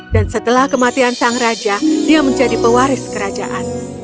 dan setelah kematian sang raja dia menjadi pewaris kerajaan